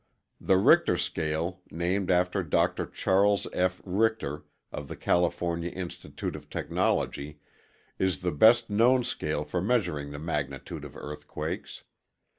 The Richter Scale, named after Dr. Charles F. Richter of the California Institute of Technology, is the best known scale for measuring the magnitude of earthquakes.